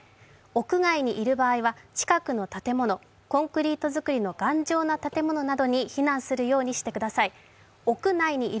屋外にいる場合は、近くの建物、コンクリートづくりの頑丈な建物に避難するようにしてください。